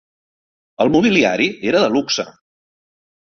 El mobiliari era de luxe.